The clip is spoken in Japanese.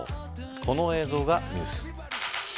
この映像がニュース。